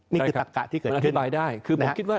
นี่คือตะกะที่เกิดขึ้นมันอธิบายได้คือผมคิดว่า